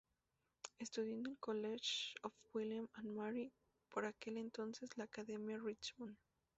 Estudió en el College of William and Mary, por aquel entonces la Academia Richmond.